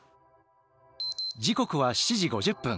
時刻は７時５０分。